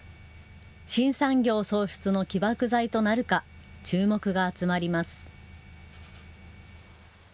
新産業創出の起爆剤となるか注目が集まります。